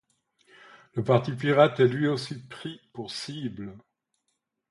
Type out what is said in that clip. Le Parti pirate est lui aussi pris pour cible.